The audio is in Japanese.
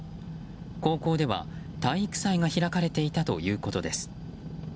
高校では体育祭が開かれていたということです。